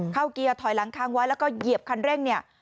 เกียร์ถอยหลังค้างไว้แล้วก็เหยียบคันเร่งเนี่ย